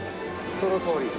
そのとおり？